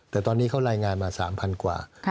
แต่ตอนนี้เขารายงานมา๓๐๐กว่า